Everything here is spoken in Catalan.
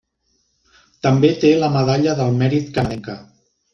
També té la medalla del mèrit canadenca.